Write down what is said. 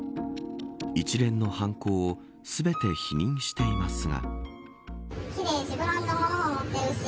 一連の犯行を全て否認していますが。